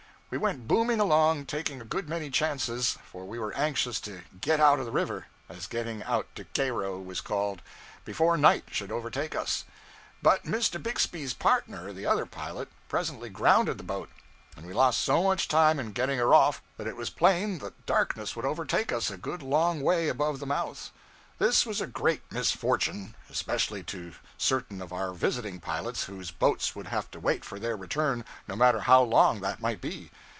We went booming along, taking a good many chances, for we were anxious to 'get out of the river' (as getting out to Cairo was called) before night should overtake us. But Mr. Bixby's partner, the other pilot, presently grounded the boat, and we lost so much time in getting her off that it was plain that darkness would overtake us a good long way above the mouth. This was a great misfortune, especially to certain of our visiting pilots, whose boats would have to wait for their return, no matter how long that might be.